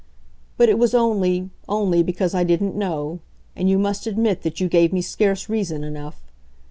But it was only, only, because I didn't know and you must admit that you gave me scarce reason enough.